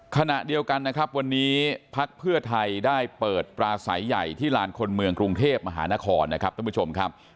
ขณะเดียวกันนะครับวันนี้พักเพื่อไทยได้เปิดปลาใสใหญ่ที่ลานคนเมืองกรุงเทพมหานครนะครับท่านผู้ชมครับ